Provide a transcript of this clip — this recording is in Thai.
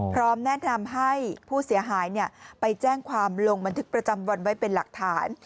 พร้อมแนะนำให้ผู้เสียหายไปแจ้งความลงบันทึกประจำวันไว้เป็นหลักฐาน